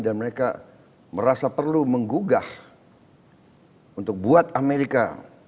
dan mereka merasa perlu menggugah untuk buat amerika